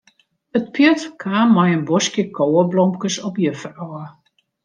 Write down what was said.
It pjut kaam mei in boskje koweblomkes op juffer ôf.